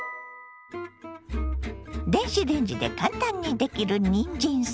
電子レンジで簡単にできるにんじんサラダ。